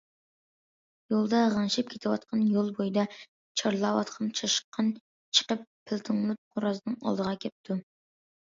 يولدا غىڭشىپ كېتىۋاتقاندا يول بويىدا چارلاۋاتقان چاشقان چىقىپ، پىلتىڭلاپ خورازنىڭ ئالدىغا كەپتۇ.